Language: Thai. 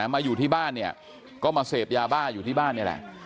มาอยู่ที่บ้านเนี่ยก็มาเสพยาบ้าอยู่ที่บ้านนี่แหละ